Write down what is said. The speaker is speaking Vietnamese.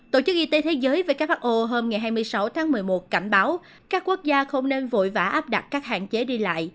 tổ chức y tế thế giới who hôm ngày hai mươi sáu tháng một mươi một cảnh báo các quốc gia không nên vội vã áp đặt các hạn chế đi lại